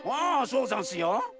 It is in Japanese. ああそうざんすよ。